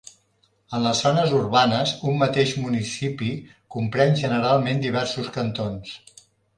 En les zones urbanes, un mateix municipi compren generalment diversos cantons.